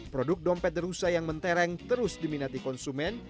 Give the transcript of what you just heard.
produk dompet the rusa yang mentereng terus diminati konsumen